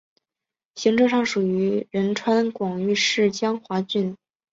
行政上属于仁川广域市江华郡。